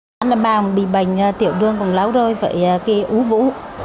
năm năm bà bị bệnh tiểu đương cũng lão rơi vậy cái ú vũ